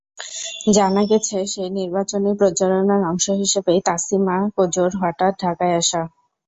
জানা গেছে, সেই নির্বাচনী প্রচারণার অংশ হিসেবেই তাসিমা কোজোর হঠাৎ ঢাকায় আসা।